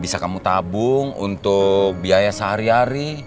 bisa kamu tabung untuk biaya sehari hari